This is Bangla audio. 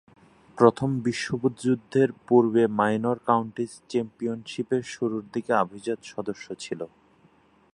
প্রথম বিশ্বযুদ্ধের পূর্বে মাইনর কাউন্টিজ চ্যাম্পিয়নশীপের শুরুরদিকে অভিজাত সদস্য ছিল।